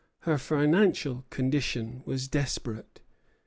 Her financial condition was desperate.